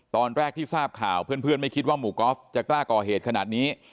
ตอนแรกที่ทราบข่าวเพื่อนไม่คิดว่าหมู่กอล์ฟจะกล้าก่อเหตุขนาดนี้